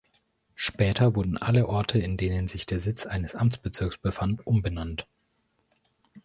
Später wurden alle Orte in denen sich der Sitz eines Amtsbezirkes befand umbenannt.